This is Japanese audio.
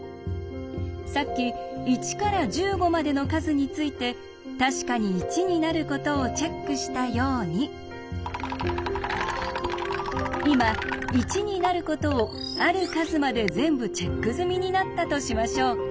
さっき１から１５までの数について確かに１になることをチェックしたように今１になることをある数まで全部チェック済みになったとしましょう。